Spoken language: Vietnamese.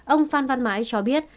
ông phan văn mãi cho biết